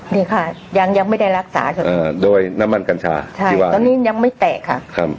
นี่ค่ะยังไม่ได้รักษาโดยน้ำมันกัญชาตอนนี้ยังไม่แตกค่ะ